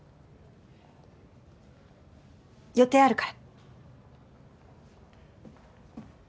予定あるから。